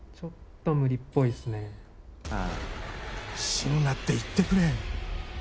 死ぬなって言ってくれ